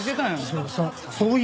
そうそう。